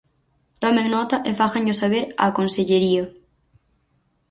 Tomen nota e fáganllo saber á consellería.